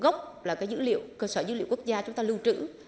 gốc là cái dữ liệu cơ sở dữ liệu quốc gia chúng ta lưu trữ